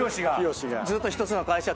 ずっと１つの会社